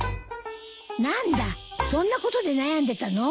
何だそんなことで悩んでたの？